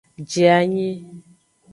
Je anyi.